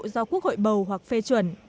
do quốc hội bầu hoặc phê chuẩn